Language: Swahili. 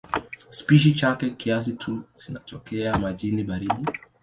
Spishi chache kiasi tu zinatokea majini baridi.